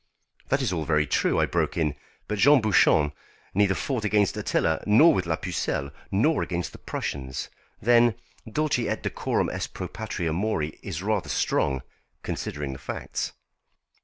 "That is all very true," I broke in. "But Jean Bouchon neither fought against Attila nor with la Pucelle, nor against the Prussians. Then 'Dulce et decorum est pro patria mori' is rather strong, considering the facts."